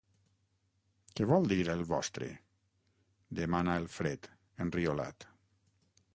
Què vol dir, el vostre? –demana el Fred, enriolat–.